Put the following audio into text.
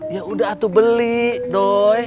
ya udah atuk beli doi